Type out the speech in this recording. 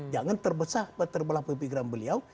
jangan terbelah pemikiran beliau